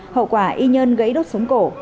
hậu quả y nhơn gãy đốt sống cổ